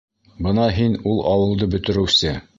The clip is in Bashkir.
Бына һин ул -ауылды бөтөрөүсе.